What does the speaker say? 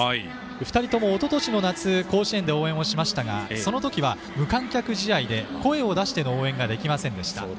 ２人とも、おととしの夏甲子園で応援しましたがその時は無観客試合で声を出しての応援ができませんでした。